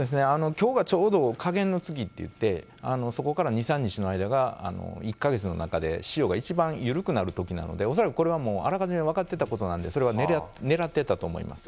きょうがちょうど下弦の月っていって、そこから２、３日の間が、１か月の中で潮が一番緩くなるときなので、恐らくこれはもう、あらかじめ分かってたことなんで、それは狙ってたと思います。